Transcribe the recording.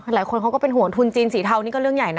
หลายคนเขาก็เป็นห่วงทุนจีนสีเทานี่ก็เรื่องใหญ่นะ